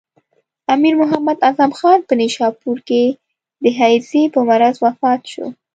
امیر محمد اعظم خان په نیشاپور کې د هیضې په مرض وفات شو.